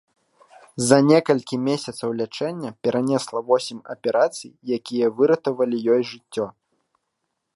За некалькі месяцаў лячэння перанесла восем аперацый, якія выратавалі ёй жыццё.